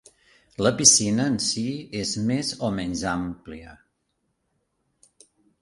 La piscina en sí és més o menys àmplia.